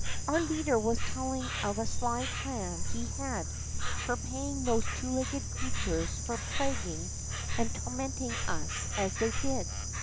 Onr leader was telling of a sly plan he had for paying those two legged creatures for plaguing and tormenting ns as they did.